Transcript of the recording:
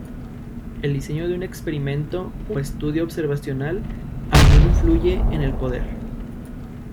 El diseño de un experimento o estudio observacional a menudo influye en el poder.